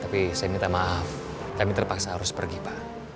tapi saya minta maaf kami terpaksa harus pergi pak